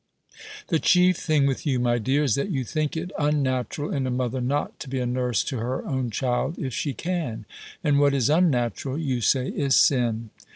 "The chief thing with you, my dear, is that you think it unnatural in a mother not to be a nurse to her own child, if she can; and what is unnatural, you say, is sin.